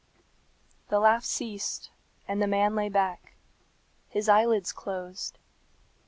The laughed ceased, and the man lay back. His eyelids closed.